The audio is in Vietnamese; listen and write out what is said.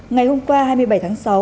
ngày hôm qua hai mươi bảy tháng sáu